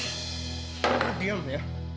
kamu diam ya